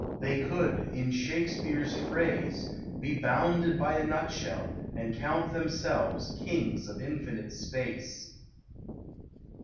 They could, in Shakespeare's phrase, be bounded by a nut shell and count themselves kings of infinite space.